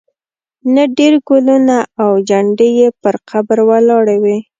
نه ډېر ګلونه او جنډې یې پر قبر ولاړې وې.